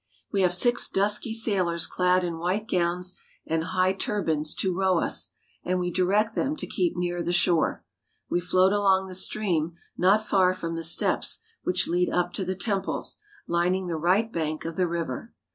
We have six dusky sailors clad in white gowns and high turbans to row us ; and we direct them to keep near the shore. We float along the stream not far from the steps which lead up to the temples, lining the right bank of the river.